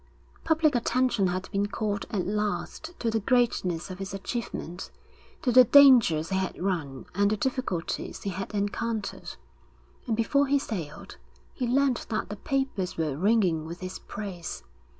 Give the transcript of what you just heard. Public attention had been called at last to the greatness of his achievement, to the dangers he had run and the difficulties he had encountered; and before he sailed, he learned that the papers were ringing with his praise.